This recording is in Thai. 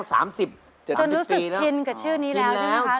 จนรู้สึกชินกับชื่อนี้แล้วใช่ไหมคะ